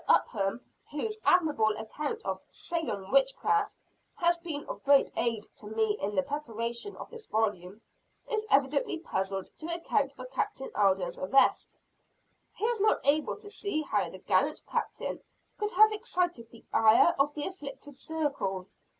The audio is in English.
Upham, whose admirable account of "Salem Witchcraft" has been of great aid to me in the preparation of this volume, is evidently puzzled to account for Captain Alden's arrest. He is not able to see how the gallant Captain could have excited the ire of the "afflicted circle."